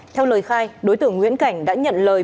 theo lời khai đối tượng nguyễn cảnh đã nhận lời